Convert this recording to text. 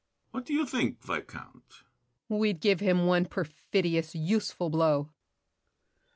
] What do you think, Viscount? BOUCHAVANNES. We'd give him one perfidious, useful blow!